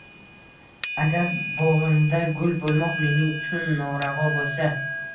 Agar bog’ingda gul bo’lmoq mening-chun noravo bo’lsa —